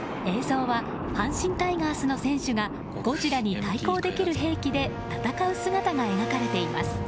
映像は阪神タイガースの選手がゴジラに対抗できる兵器で戦う姿が描かれています。